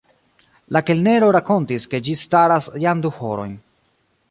La kelnero rakontis, ke ĝi staras jam du horojn.